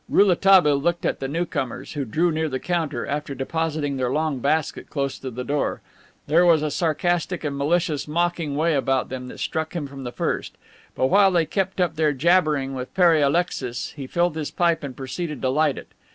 Rouletabille looked at the new comers, who drew near the counter, after depositing their long basket close to the door. There was a sarcastic and malicious mocking way about them that struck him from the first. But while they kept up their jabbering with Pere Alexis he filled his pipe and proceeded to light it.